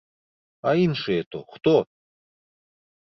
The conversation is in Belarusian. А іншыя то хто?